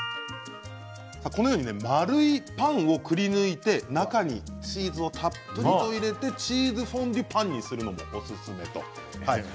このように丸いパンをくりぬいて中にチーズをたっぷり入れてチーズフォンデュパンにするということもおすすめということでした。